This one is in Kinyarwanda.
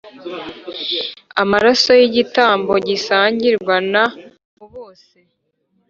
amaraso y igitambo gisangirwa na bobose